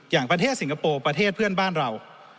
อย่างประเทศสิงคโปร์ประเทศเพื่อนบ้านเรา